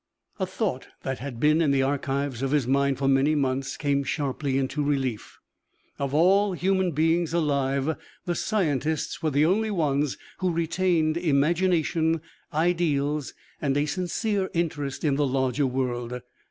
A thought that had been in the archives of his mind for many months came sharply into relief: of all human beings alive, the scientists were the only ones who retained imagination, ideals, and a sincere interest in the larger world.